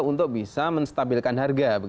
untuk bisa menstabilkan harga